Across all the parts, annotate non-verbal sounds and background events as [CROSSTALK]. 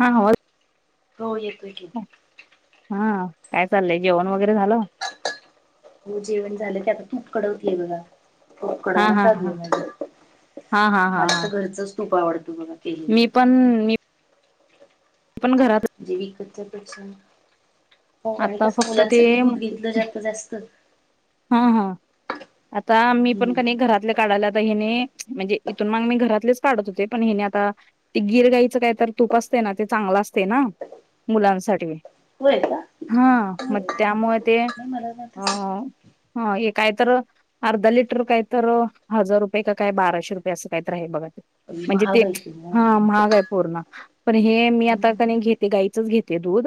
हा आवाज हो येतोय की. हा काय चाललंय जेवण वगैरे झालं. हो जेवण झालं ते आता तूप कडवतय बघा तुप हा कडवणं हा चालू हा आहे माझ हा हा हा हा मला तर घरचच. मी पण मी. पण घरात विकतच पेक्षा- हो आणि आता कसं फक्त ते मुलांसाठी दूध घेतलं जातं जास्त. हा हा आता मी पण हम्म कणी घरातल्या काढाय ल्या आहे हेणी. म्हणजे इथून माग मी घरातलेच काढत होते पण हेनी आता ते गीरगाईचं काय तर तूप असते ना ते चांगलं- असतय ना मुलांसाठी. होय का हा मग होय त्यामुळे ते नाही मला ना तसं अं- हे काय तर अर्धा लिटर काय तर हजार रुपये का काय बाराशे रुपये असं काही तर आहे बघा. म्हणजे ते महाग आहे की मग हा महाग आहे पूर्ण पण हे मी आता हम्म क घेते गाईचच घेते. दूध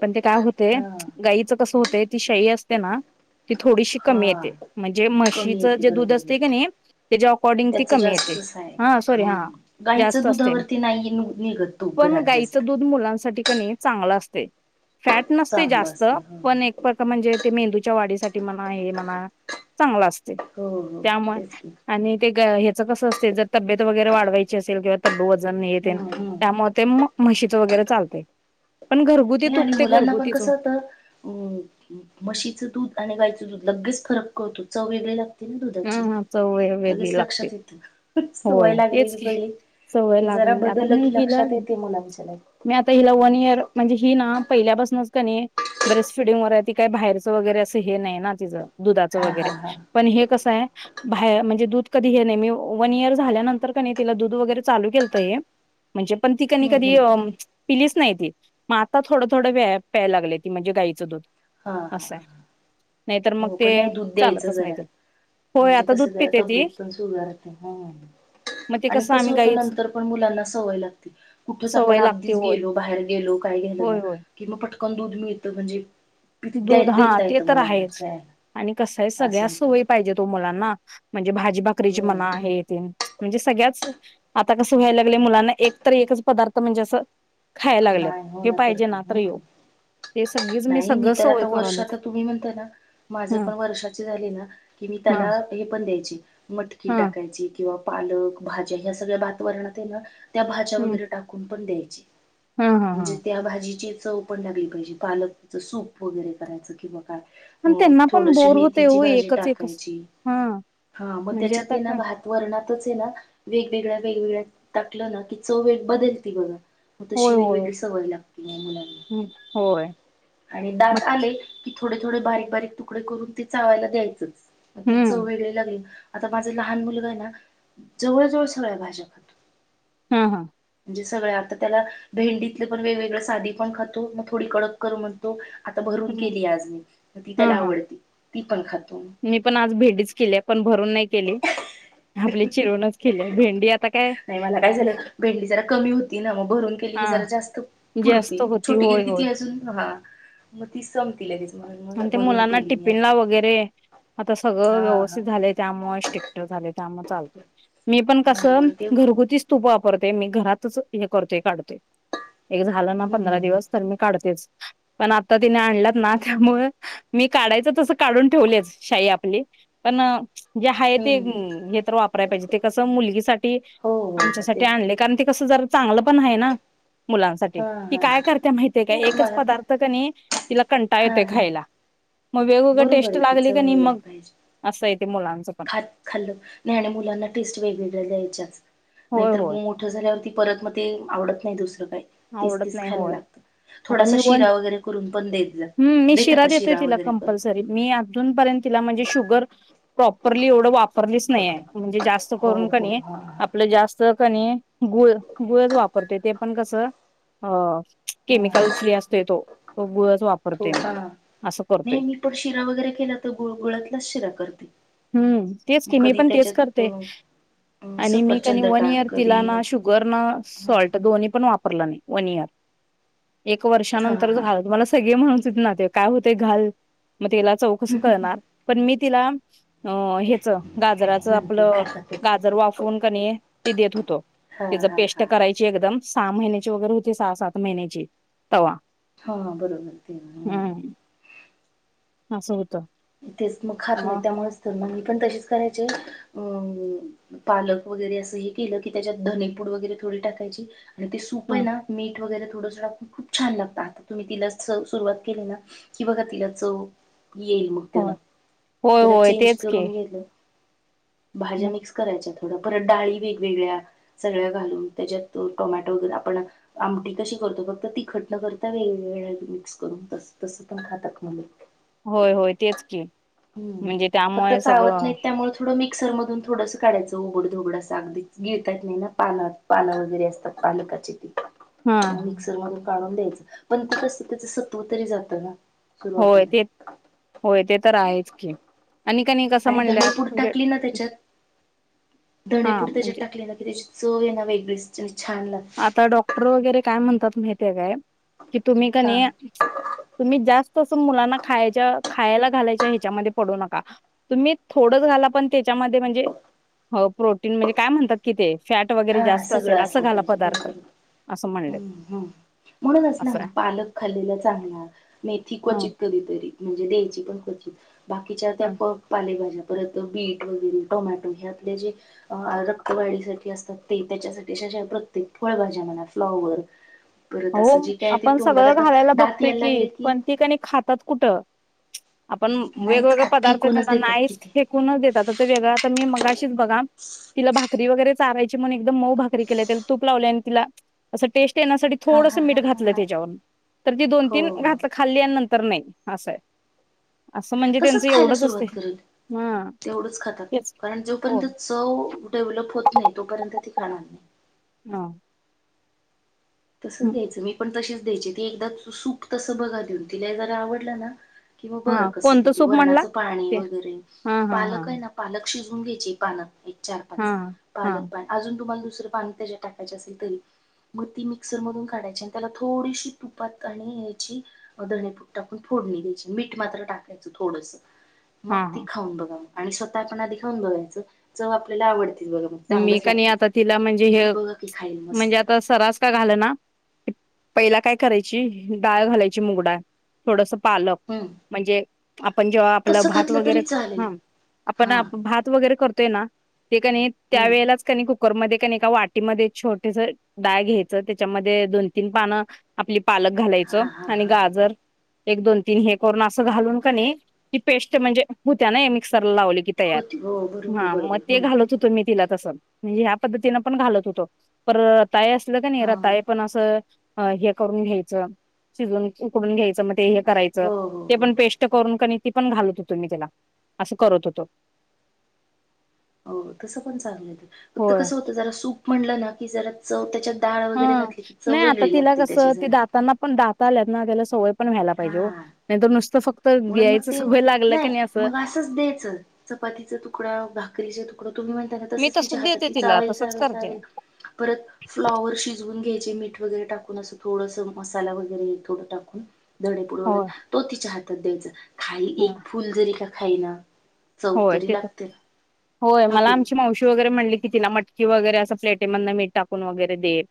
पण ते काय होते हा गाईचं कसं होते ती शाई असते ना? ती थोडीशी कमी हा येते म्हणजे कमी म्हशीचं येते जे दूध बरोबर असतय बरोबर कनी त्याच्या अकॉर्डिंग ते त्याच कमी येतेय. जास्तच आहे. हा सॉरी हा हम्म गाईचं जास्त असते दुधावरती नाही नि- निघत तूप पण घरात जास्त. गाईचं दूध मुलांसाठी कनी चांगल असतय फॅट नसतय चांगलं जास्त असते हो पण एक प्रका- म्हणजे मेंदूच्या वाढीसाठी- हे म्हणा चांगल असतय हो हो तेच की त्यामुळे कस असतय जर तब्येत वगैरे वाढवायची असेल किंवा तब्येत वजन हे हम्म तेन हम्म त्यामुळ ते. म म्हशीच वगैरे चालतय. आणि मुलांना पण कसं होत अ म्हशीचं दूध आणि गायचं दूध लगेच फरक कळतो चव वेगळी लागते. दुधाची ह चव वेगळी लगेच लागते. लक्षात येते सवय होय तेच लागलेली की पहिली. सवय की जरा लागली आता बदललं मी की हिला लक्षात येते मुलांच्या नाही मी आता हिला वन इयर म्हणजे हि ना- पहिल्यापासूनच का नाही ब्रेस्ट फिडिंग वर आहे ती काय बाहेरचं वगैरे असं हे नाही ना तिज. दुधाचं हा हा वगैरे हा पण हे कस? बाहेर म्हणजे दूध कधी हे नाही मी वन इयर झाल्यानंतर कनी तिला दूध वैगेरे चालू केलत हे. म्हणजे पण ती कनी हम्म कधी हम्म पिलीच नाही ती. आता थोडं थोडं प्यायला लागले ती म्हणजे गाईचं दूध. हा हा असंय नाहीतर मग हो पण ते नाही दूध द्यायचं चालतच जरा नाही. होय म्हणजे आता कस दूध जरा पिते ती तब्येत पण सुगारते हो. मग ते आणि कसं आम्ही होत गाईच नंतर पण मुलांना सवय लागते कुठंच सवय आपण लागते अगदीच होय गेलो बाहेर गेलो का. काय घ्याल ना होय होय की मग पटकन दूध मिळत म्हणजे. पी- द्या दूध हा देता ते येतं तर मुलांना आहेच काय आणि कसं आहे असं सगळ्या होतं. सोयी पाहिजे ओ मुलांना. म्हणजे भाजी भाकरीची हो म्हणा हे तेन म्हणजे सगळ्याच. आता कसं व्हायला लागलय मुलांना एकतर एकच पदार्थ म्हणजे असं. खायला लागल्यात नाही हो हे पाहिजे काय ना तर हम्म. येो ते सगळीच मीस. नाही मी तर आता वर्ष आता तुम्ही म्हणताय ना माझे ह पण वर्षाची झाली ना की मी हा त्याला हे पण द्यायची. मटकी हा टाकायची की. किंवा पालक भाज्या ह्या सगळ्या भातवरणात आहे ना त्या भाज्या हम्म वगैरे टाकून पण द्यायची. हा हा हा म्हणजे त्या भाजीची चव पण लागली पाहिजे पालक. सूप वगैरे करायचं किंवा काय. पण अ त्यांना पण थोडीशी बोर होतय मेथीची ओ भाजी एकच एकच टाकायची हा. हा मग म्हणजे त्याच्यात आता ते ना का भातवरणात. कसंय ना वेगवेगळ्या वेगवेगळ्या टाकलं ना की चव एक बदलती बघा. मग होय तशी होय वेगवेगळी सवय लागती मग मुलांना. हम्म होय आणि मग दात आले की थोडे थोडे बारीक बारीक तुकडे करून ते चावायला द्यायचंच. मग ती हम्म चव वेगळी लागली. आता माझा लहान मुलगा आहे ना जवळ जवळ सगळ्या भाज्या खातो. हा हा. जे सगळ्या आता त्याला भेंडीतले पण वेगवेगळ साधी पण खातो मग थोडी कडक कर म्हणतो. आता भरून हम्म केलीय आज मी म ती हा त्याला हा आवडती ती पण खात. मी पण आज भेंडीच केलीय पण भरून नाही केली. आपले चिरूनच केलेय भेंडी आता काय. नाही मला काय झालं जरा कमी होती ना मग भरून केली हा की जरा जास्त जास्त पुरती होती छोटी केली होय की होय ती अजून हा. मग ती संपती लगेच म्हणून मग आणि ते भरून मुलांना केली मी आता. टिफिनला वगैरे आता सगळं हा हा व्यवस्थित झालय त्यामुळे स्टेक्टर झालय त्यामुळे चालतय. मी पण कसं हम्म ते घरगुतीच तूप वापरते मी घरातच हे करतोय काढतोय. एक झालं ना हम्म पंधरा दिवस तर मी काढतेच. पण आता तिने आणल्यात ना त्यामुळे मी काढायचं तसं काढून ठेवलेच. शाई आपली पण जे हाय ते हम्म हे तर वापराय पाहिजे ते कसं मुलगीसाठी. हो हो हो आमच्यासाठी तेच की आणलय कारण ते कस जरा. चांगलं पण आहे ना मुलांसाठी हा ती हा काय नाही करत्या माहितीय काय एकच मला पण पदार्थ कणी. तिला कंटाळा हा येतोय हा खायला मग वेगवेगळ बरोबर टेस्ट आहे की लागली. चव कणी वेगळी मग पाहिजे असय ते मुलांच. खात खाल्लं नाही नाही आणि मुलांना टेस्ट वेगवेगळ्या द्याच्याच होय नाहीतर होय मोठं झाल्यावरती. परत मग ते आवडत नाही दुसरं काही तेच आवडत तेच नाही खायला होय लागत. आता मी वन जा हम्म मी देता शिरा का देतोय तिला वगैरे करून? कम्पल्सरी मी अजून पर्यंत. तिला म्हणजे शुगर प्रॉपरली एवढं वापरलीच नाही हाय. म्हणजे जास्त हो करून हो कणी हा आपलं जास्त. कणी गुळ गुळच वापरतोय ते पण कसं अं. केमिकल हा. फ्री असतोय तो तो गूळच. हो का नाही मी पण शिरा वगैरे केला तर गुळ गुळतलाच शिरा करते. हम्म तेच मग की मी कधी पण तेच त्याच्यात करतेय. अ आणि मी कणी सफरचंद वन टाक इयर कधी तिला ना शुगर ना हा सॉल्ट दोन्ही पण वापर रल नाय वन इयर, एक हा वर्षानंतर हा. झालं मला सगळे म्हणत होते नातेवाईक काय होतंय घाल मग त्याला चव कसं कळणार पण मी तिला अं ह्याच गाजराच नंतर आपलं खातातच. गाजर वाफवून कनी ते देत होतो. हा तिझं हा पेस्ट हा करायची एकदम सहा महिन्याची वगैरे होती सहा सात महिन्याची तवा. हा बरोबर ते हा. आस होत. तेच मग खात नाही त्यामुळेच तर मी पण तसेच करायचे अ पालक वगैरे असं हे केलं की त्याच्यात धनीपूड वगैरे टाकायची आणि ते सूप आहे हं, ना मीठ वगैरे थोडस टाकून खूप छान लागत, आता तुम्ही तिला सुरवात केली ना की बघा तिला चव येईल मग त्यांला होय. होय, जरा होय चेंज तेच की. करून घेतल भाज्या मग मिक्स करायच्यात. परत डाळी वेगवेगळ्या सगळ्या घालून त्याच्यात टोमॅटो वगर आपण आमटी कशी करतो, फक्त तिखट न करता वेगवेग्या मिक्स करून तस पण खातात मूल. होय हो. हम्म फक्त चावत सगळं नाहीत त्यामुळे थोडं मी मिक्सरमधून थोडंसं काढायचं उघड धोगड असं अगदीच घेळताात नाही ना पान पानं वगैरे असतात पालकाची ती. हा मिक्सर मधून काढून द्यायचं पण ते कस त्याच सत्व तरी जातं ना. होय सुरुवातीला ते होय ते तर आहेच की, आणि कनाय कस आणि आल्यात म्हणजे हा दधणे पूड त्याच्यात म्हणजे टाकली ना कि त्याची चव आहे ना वेगळेच आता डॉक्टर वगैरे काय म्हणतात माहितये काय? कि तुम्ही हा कनी तुम्ही जास्त अस मुलांना खायच्या खायला घालायच्या ह्याच्यामध्ये पडू नका तुम्ही थोडंच घाला पण त्याच्यामध्ये म्हणजे हो प्रोटीन म्हणजे काय म्हणतात कि ते फॅट वगैरे हा जास्त असेल सगळं असं घाला. [INAUDIBLE] पदार्थ असं म्हणले हम्म हम् म्हणूनच ना असं मग पालक खाल्लेला चांगला मेथी क्वाचित ह कधी तरी म्हनजे द्यायची पण क्वचित बाकिच्या त्या प पालेभाज्या परत बीट वगैरे टोमॅटो हे आपले जे रक्तवाढीसाठी असतात. त्याच्यासाठी अ प्रत्येक फळभज्या म्हणा फ्लॉवर परत हो असं जे काय आहे ते आपण तोंडात सगळं आता घालायला दात बघतोय यायला लागले की पण ती कणी खातात कुठं आपण नाहीच वेगवेगळे खात पदार्थ फेकूनच त्यांना देतात कि नायस ते फेकूनच देतात वेगळं आता मी मगा शीच बघा तिला भात भाकरी वगैरे चारायची म्हण एकदम मऊ भाकरी केल्या त्याला तूप लावले आणि तिला अस टेस्ट येण्या साठी हा थोडस हा हा मीठ हा घातलं हा त्याच्यावरून तर ती दोन हो तीन हो घातलं खाल्लीनंतर नाही, आस आहे. असं म्हणजे तसंच त्यांचं खायला एवढंच असते सुरुवात करेल? हा तेवढच खातात तेच कारण हो जोपर्यंत चव डेव्हलप होत नाही तोपर्यंत ती खाणार नाही. हा. तसच हं. घ्यायचं, मी पण तशीच द्यायची ती एकदा सूप तसं बघा देऊन, तिला जला आवडलं ना किंवा बघा हा कस कोणतं किती सूप म्हणला वर्णाचं पाणी ते वगैरे हा हा हा पालक आहे ना पालक शिज वून घ्यायची पान एक चार हा पाच हा हा पालक तुम्हाला दुसर पाणी कशात टाकायचं असेल तरी म ती मिक्सर मधून काढायची आणि त्याला थोडीशी तुपात आणि याची धणे पूड टाकून फोडणी द्यायची. मीठ मात्र टाकायचं थोडसं. मग ती हा खाऊन बघा आणि स्वतः आपणा आधी खाऊन बघायचं जव आपल्याला आवडते बघा मग मी चांगलंच कानी लागतं ते आता तिला म्हणजे ती हे बघा की खाईल म्हणजे मस्त आता सरास का घाल ना पहिला काय करायची डाळ घालायची मुगडा थोडस पालक हम्म म्हणजे आपण जेव्हा आपलं तसं भात घातलं वगैरे तरी चालेल. हा आपण हा भात वगैरे करतो ते त्या हम्म वेळेलाच कणी खूप ककरमध्येध्येण एका वाटीमध्ये छोटेस डाळ घ्यायचं त्याच्यामध्ये दोन तीन पानं आपली पालक घालायचं हा हा आणि हा गाजर एक दोन तीन हे करून असं घालून का नाही की पेस्ट म्हणजे होत्या ना मिक्स लावलेकी ताई होती हो बरोबर मग बरोबर ते हम्म घालत होतो मी आत तिला तसं म्हणजे ह्या पद्धतीनं पण घालत होतो प रताय असलं का नाही हा रताय पण असं अ हे करून घ्यायचं शिजून उकडून घ्यायचं मग ते हे करा हो हो ते हो पण पेस्ट कर तेी पण घालत होतो मी त्याला असं करत होतो हो तसं पण चांगलं य फक्त होय कसं होत जरा सूप म्हणलं ना की जरा चव त्याच्या हा नाही आता तिला कसं ती जरा दातांना पण दाता आल्यात त्याला सवय पण व्हायला पाहिेजे हा नाहीर नुसतं फक्त म्हणून मग घ्यायचं ते सवय लागलं का नाही असं मग असंच द्यायचं चपातीचा तुकडा भाकरीचा तुकडा तुम्ही म्हणताना मी तसंच तिच्या तसं हात देते ति तिला चावेल तसंच चावेल करते चावेल परत फ्लावर शिजवून घ्यायचे मीठ वगैरे टाक थोडस मसाला वगैरे थोडं टाकून धडेपूड वगैरे होय तो तिच्या हातात द्यायचा खाली हा एक फुल जरी का खाई ना चौ होय तरी ते तर लागते ना होय हो मला की आमची नाही मावशी वगैरे म्हणली की तिला मटकी वगैरे असं प्लेट मधन मीठ टाकून वगैरे देईल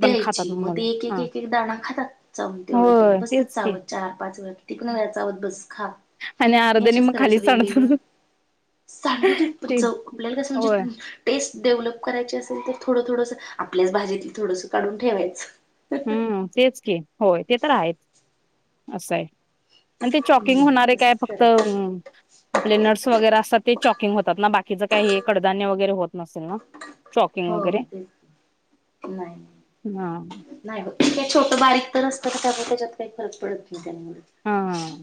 द्यायची मग ते एक एक एक एक दाणा खातात व तेवढं त्यांना होय बसतात तेच की चाव चार पाच वे तिकनं व्यायच आहोत बस खा आणि आर्धने मग खाली सांडतात सांड ते आपल्याला कस म्हणजे होय टेस्ट डेव्हलप करायची असेल तर थोडं थोडस आपल्याच भाजीत थोडंसं काढून ठेवायचं हम्म तेच की होय ते तर आहेच असं आहे आणि ते चॉकिंग हम्म होणार आहे काय तसंच फक्त करायचं. आपले नर्स वगैरे असतात ते चॉकिंग होतात ना बाकीचं काही हे कडधान्य वगैरे होत नसेल ना चॉकिंग हो वगैरे तेच की. नाही हा नाही होत छोटं बारीक तर असतं त्यामुळे त्याच्यात काही फरक पडत नाही त्यामुळे हा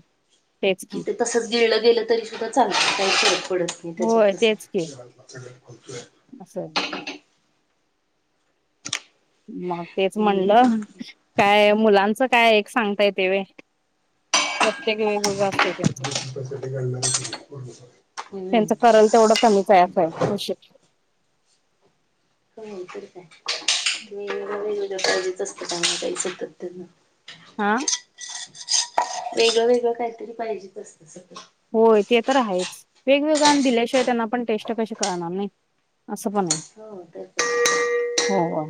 तेच की ते तसच गिळलं गेलं तरी सुद्धा चालत काहीच पडत नाही होय त्याच्यातस तेच की असं [UNINTELLIGIBLE] मग तेच हम्म ते- म्हणलं काय मुलांचं काय एक सांगताय तेवे प्रत्येक वेळे मग असते त्यांचा त्यांच हम्म करल तेवढं कमीच आहेचं आहे म्हश [INAUDIBLE] हो तर काय म पाहिजेच असतं खाना काही सतत त्यांना हा वेगळं वेगळं काहीतरी पाहिजेच असत सगळ होय ते तर आहेच वेगवेग आणि दिल्याशिवाय त्यांना पण टेस्ट कशी करणार नाही असं पण आहे हो तर काय. हो हो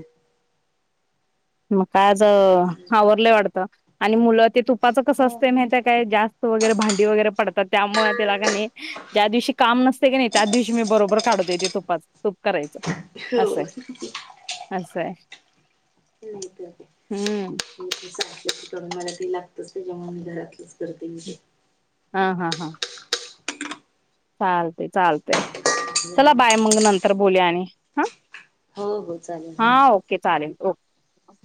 म आज आवरलं वाटतं आणि मुलं ते तुप पाचं कसं हो असत माहित आहे काय जास्त वगैरे भांडी वगैर त्यामुळे त्याला का ज्या दिवशी काम नसते की नाही त्या दिवशी मी बरोबर काढत येते तुप करायचं हो असं नाही हम्म ्या लागत त्याच्यामुळे मी घरातलंच करतेे हा हा हा चालते चालते चला बाय मग नंतर बोलूया आणि हा हो हो चालेल हा हं. ओके चालेल ओक